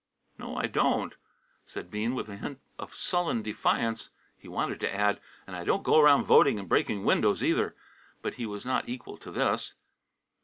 "No, I don't," said Bean, with a hint of sullen defiance. He wanted to add: "And I don't go round voting and breaking windows, either," but he was not equal to this.